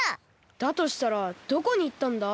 だとしたらどこにいったんだ？